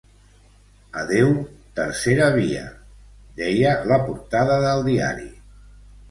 Adeu, tercera via, deia la portada del diari.